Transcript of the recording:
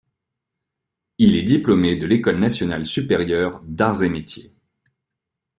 Il est diplômé de l'École nationale supérieure d'Arts & Métiers.